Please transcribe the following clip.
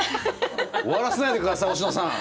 終わらせないで下さい星野さん！